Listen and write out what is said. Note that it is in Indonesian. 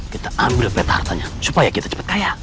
kita ambil peta hartanya supaya kita cepat kaya